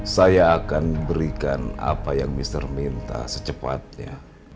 saya akan berikan apa yang mr minta secepatnya